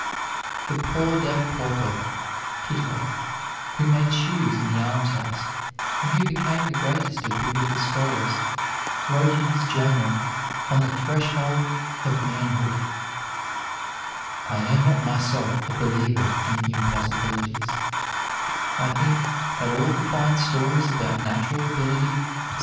The poor, deaf pauper, Kitto, who made shoes in the almshouse, and who became the greatest of Biblical scholars, wrote in his journal, on the threshold of manhood: "I am not myself a believer in impossibilities: I think that all the fine stories about natural ability, etc.